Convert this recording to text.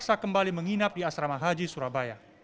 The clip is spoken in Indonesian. bisa kembali menginap di asrama haji surabaya